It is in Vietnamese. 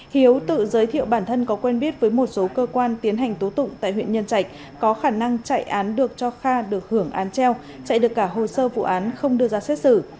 hiếu tự giới thiệu bản thân có quen biết với một số cơ quan tiến hành tố tụng tại huyện nhân trạch có khả năng chạy án được cho kha được hưởng án treo chạy được cả hồ sơ vụ án không đưa ra xét xử